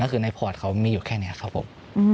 ก็คือในพอร์ตเขามีอยู่แค่นี้ครับผม